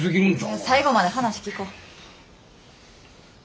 最後まで話聞こ。